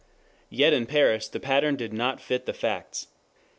Yet in Paris the pattern did not fit the facts.